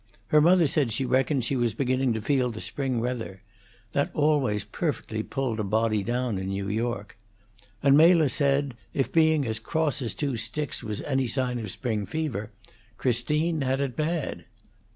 Her mother said she reckoned she was beginning to feel the spring weather, that always perfectly pulled a body down in New York; and Mela said if being as cross as two sticks was any sign of spring fever, Christine had it bad.